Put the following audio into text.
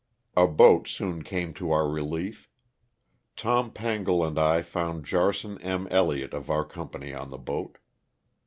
A boat soon came to our relief. Thomas Pangle and I found Jarson M. Elliott of our company on the boat.